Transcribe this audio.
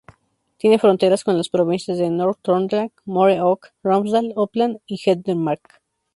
Tiene fronteras con las provincias de Nord-Trøndelag, Møre og Romsdal, Oppland y Hedmark.